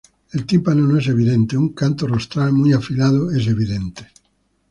El tímpano no es evidente; un canto rostral muy afilado es evidente.